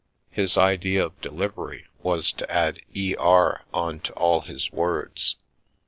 His idea of delivery was to add " er " on to all his words.